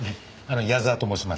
矢沢と申します。